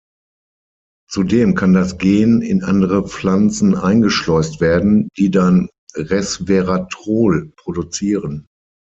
Zudem kann das Gen in andere Pflanzen eingeschleust werden, die dann Resveratrol produzieren.